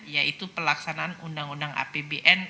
yaitu pelaksanaan undang undang apbn